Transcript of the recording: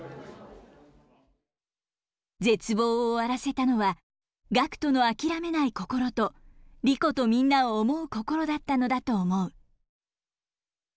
「絶望を終わらせたのはガクトのあきらめない心とリコとみんなを思う心だったのだと思う」。